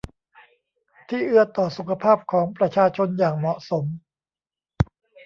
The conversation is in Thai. ที่เอื้อต่อสุขภาพของประชาชนอย่างเหมาะสม